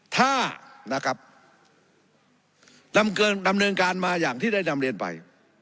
ถ้านะครับดำเนินการมาอย่างที่ได้นำเรียนไป